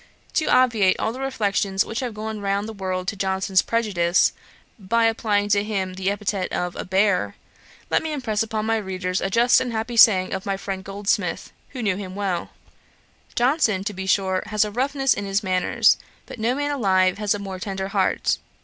To obviate all the reflections which have gone round the world to Johnson's prejudice, by applying to him the epithet of a bear, let me impress upon my readers a just and happy saying of my friend Goldsmith, who knew him well: 'Johnson, to be sure, has a roughness in his manner; but no man alive has a more tender heart.